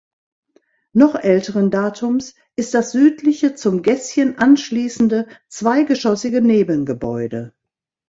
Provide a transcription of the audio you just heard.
Noch älteren Datums ist das südliche zum Gässchen anschließende zweigeschossige Nebengebäude.